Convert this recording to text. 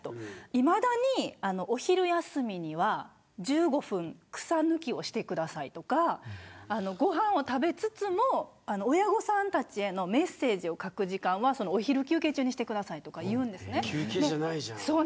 いまだにお昼休みには１５分草抜きをしてくださいとかご飯を食べつつも親御さんたちへのメッセージを書く時間は休憩じゃないじゃん。